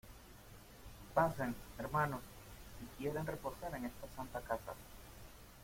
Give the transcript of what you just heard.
pasen, hermanos , si quieren reposar en esta santa casa.